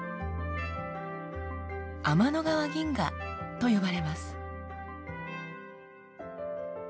「天の川銀河」と呼ばれます。